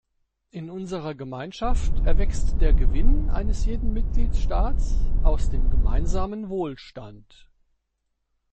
In unserer Gemeinschaft erwächst der Gewinn eines jeden Mitgliedstaats aus dem gemeinsamen Wohlstand.